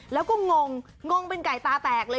แล้วก็งงงเป็นไก่ตาแตกเลย